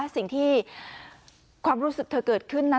สิ่งที่ความรู้สึกเธอเกิดขึ้นนะ